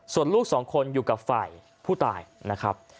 ส่วนลูกสองคนอยู่กับฝ่ายผู้ตายนะครับ